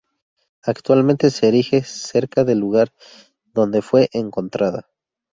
Actualmente se erige cerca del lugar donde fue encontrada.